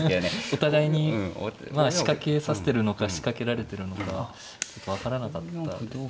お互いにまあ仕掛けさせてるのか仕掛けられてるのかよく分からなかったです。